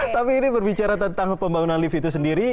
tapi ini berbicara tentang pembangunan lift itu sendiri